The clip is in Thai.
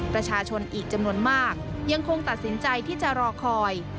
ประชาชนอีกจำนวนมากยังคงตัดสินใจที่จะรอคอย